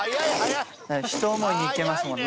一思いにいけますもんね